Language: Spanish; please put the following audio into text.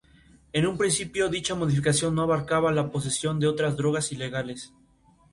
En un principio, dicha modificación no abarcaba la posesión de otras drogas ilegales.